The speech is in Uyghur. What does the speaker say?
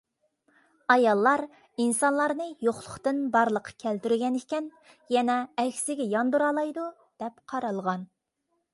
ئاياللار ئىنسانلارنى يوقلۇقتىن بارلىققا كەلتۈرگەنىكەن، يەنە ئەكسىگە ياندۇرالايدۇ دەپ قارالغان.